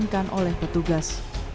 dinaikkan oleh petugas